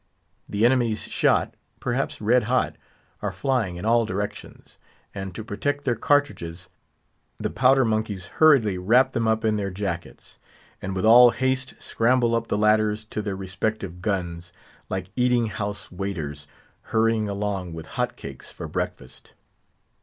The enemy's shot (perhaps red hot) are flying in all directions; and to protect their cartridges, the powder monkeys hurriedly wrap them up in their jackets; and with all haste scramble up the ladders to their respective guns, like eating house waiters hurrying along with hot cakes for breakfast.